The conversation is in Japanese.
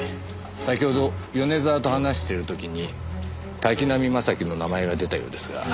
先ほど米沢と話してる時に滝浪正輝の名前が出たようですが。